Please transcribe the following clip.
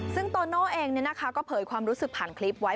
ซึ่งโตโน่เองก็เผยความรู้สึกผ่านคลิปไว้